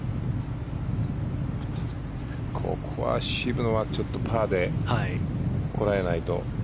ここは渋野はパーでこらえないと。